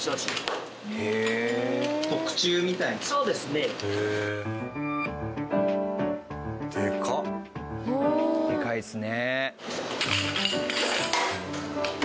でかいですね。